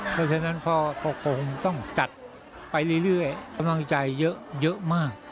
เพราะฉะนั้นพ่อก็คงต้องจัดไปเรื่อยกำลังใจเยอะมาก